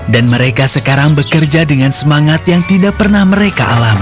dan mereka sekarang bekerja dengan semangat yang tidak pernah mereka alami